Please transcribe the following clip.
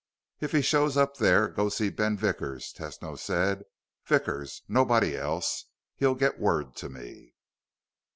"If he shows up there, go see Ben Vickers," Tesno said. "Vickers. Nobody else. He'll get word to me."